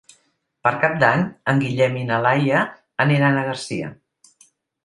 Per Cap d'Any en Guillem i na Laia aniran a Garcia.